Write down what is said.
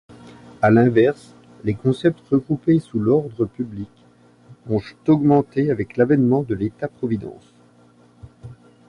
À l'inverse, les concepts regroupés sous l'ordre public ont augmenté avec l'avènement de l'État-providence.